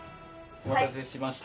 お待たせしました。